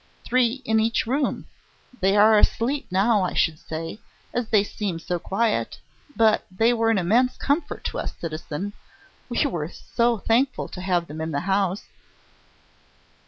"Three in each room. They are asleep now, I should say, as they seem so quiet. But they were an immense comfort to us, citizen ... we were so thankful to have them in the house...."